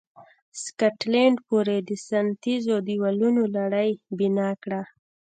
د سکاټلند پورې د ساتنیزو دېوالونو لړۍ بنا کړه.